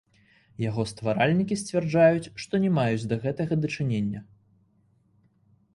Яго стваральнікі сцвярджаюць, што не маюць да гэтага дачынення.